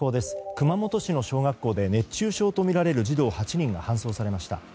熊本市の小学校で熱中症とみられる児童８人が搬送されました。